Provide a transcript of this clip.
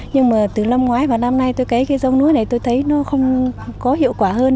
nhưng mà từ năm ngoái và năm nay tôi cấy cái giống lúa này tôi thấy nó không có hiệu quả hơn